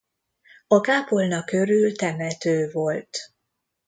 A kápolna körül temető volt.